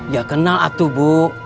ya kenal atu bu